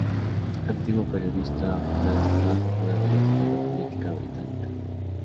Antiguo periodista, fue una destacada figura de la izquierda política británica.